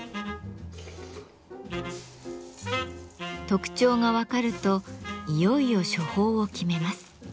特徴が分かるといよいよ処方を決めます。